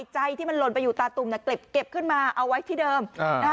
ใจที่มันหล่นไปอยู่ตาตุ่มเก็บขึ้นมาเอาไว้ที่เดิม